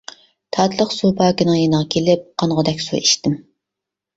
تاتلىق سۇ باكىنىڭ يېنىغا كېلىپ قانغۇدەك سۇ ئىچتىم.